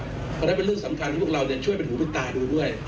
เพราะฉะนั้นเป็นเรื่องสำคัญที่พวกเราช่วยเป็นหูเป็นตาดูด้วย